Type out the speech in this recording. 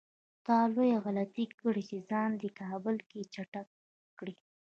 تا لويه غلطي کړې چې ځان دې کابل کې چک کړی.